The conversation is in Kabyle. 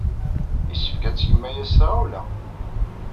Yessefk ad tgem aya s tɣawla.